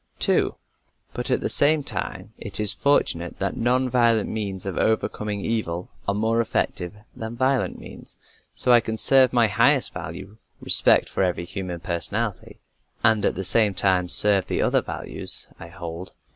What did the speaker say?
(2) But, at the same time, it is fortunate that non violent means of overcoming evil are more effective than violent means, so I can serve my highest value respect for every human personality and at the same time serve the other values I hold.